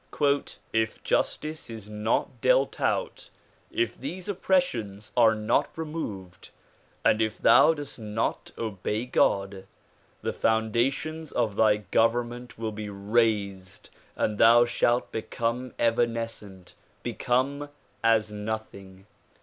"If justice is not dealt out, if these oppressions are not removed and if thou dost not obey God, the foundations of thy government will be razed and thou shalt become evanescent, become as nothing.